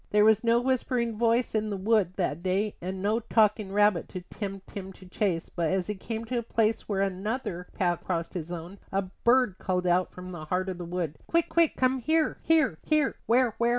There was no whispering voice in the wood that day and no talking rabbit to tempt him to a chase; but as he came to a place where another path crossed his own, a bird called out from the heart of the wood: "Quick, quick, come here, here, here " "Where, where?"